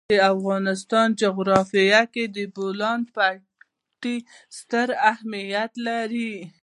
د افغانستان جغرافیه کې د بولان پټي ستر اهمیت لري.